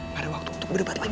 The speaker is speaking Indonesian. gak ada waktu untuk berdebat lagi